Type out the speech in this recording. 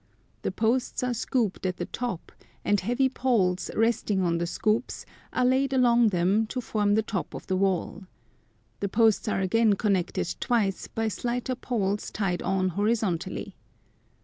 The posts are scooped at the top, and heavy poles, resting on the scoops, are laid along them to form the top of the wall. The posts are again connected twice by slighter poles tied on horizontally.